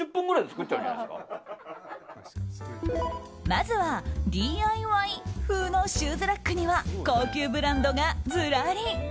まずはＤＩＹ風のシューズラックには高級ブランドがずらり。